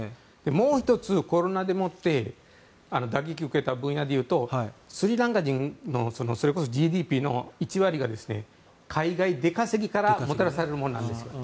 もう１つ、コロナでもって打撃を受けた分野で言うとスリランカ人のそれこそＧＤＰの１割が海外への出稼ぎからもたらされるものなんですよ。